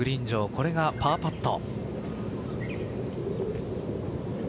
これがパーパット。